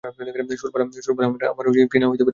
সুরবালা আমার কী না হইতে পারিত।